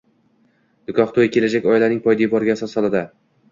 Nikoh to’yi kelajak oilaning poydevoriga asos soladi